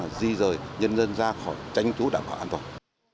là di rời nhân dân ra khỏi tranh chú đạo khả an toàn